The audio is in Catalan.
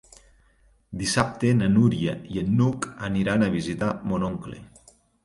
Dissabte na Núria i n'Hug aniran a visitar mon oncle.